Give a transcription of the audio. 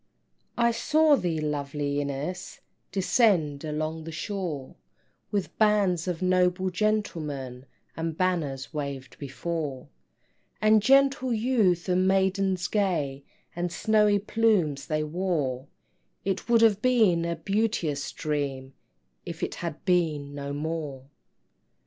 I saw thee, lovely Ines, Descend along the shore, With bands of noble gentlemen, And banners waved before; And gentle youth and maidens gay, And snowy plumes they wore; It would have been a beauteous dream, If it had been no more!